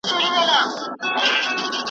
پلنډه نه وه د طلاوو خزانه وه .